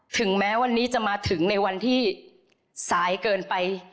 ถึงแม้วันนี้จะมาถึงในวันที่สายเกินไป